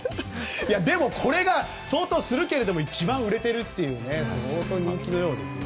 でも、これが相当するけど一番売れているという相当人気のようです。